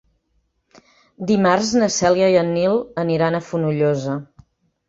Dimarts na Cèlia i en Nil aniran a Fonollosa.